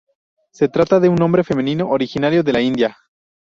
Se trata de un nombre femenino originario de la India.